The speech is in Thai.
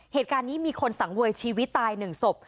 เหตุการณ์นี้มีคนสังเวยชีวิตตาย๑ศพ